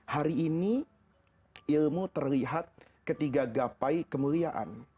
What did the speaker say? hari ini ilmu terlihat ketiga gapai kemuliaan